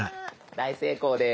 大成功です。